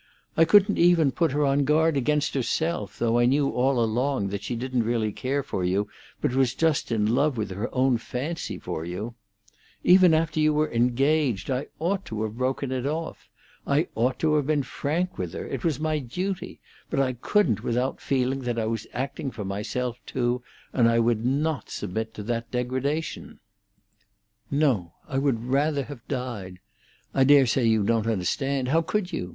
I couldn't even put her on guard against herself, though I knew all along that she didn't really care for you, but was just in love with her own fancy for you, Even after you were engaged I ought to have broken it off; I ought to have been frank with her; it was my duty; but I couldn't without feeling that I was acting for myself too, and I would not submit to that degradation. No! I would rather have died. I dare say you don't understand. How could you?